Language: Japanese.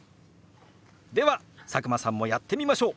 では佐久間さんもやってみましょう。